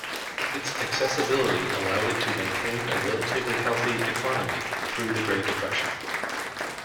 Its accessibility allowed it to maintain a relatively healthy economy through the Great Depression.